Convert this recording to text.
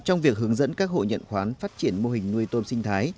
trong việc hướng dẫn các hộ nhận khoán phát triển mô hình nuôi tôm sinh thái